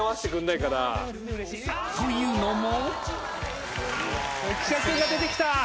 ［というのも］